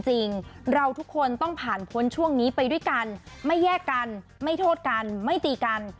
จริงเราทุกคนต้องผ่านพ้นช่วงนี้ไปด้วยกันไม่แยกกันไม่โทษกันไม่ตีกัน